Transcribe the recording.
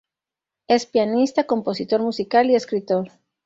Es pianista, compositor musical y escritor.